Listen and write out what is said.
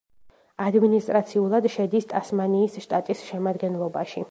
ადმინისტრაციულად შედის ტასმანიის შტატის შემადგენლობაში.